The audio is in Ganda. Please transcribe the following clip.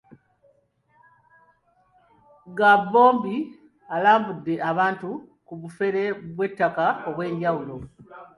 Gambobbi alabudde abantu ku bufere bw'ettaka obw'enjawulo.